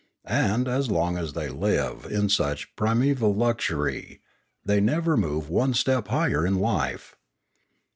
And, as long as they live in such primeval luxury, they never move one step higher in life.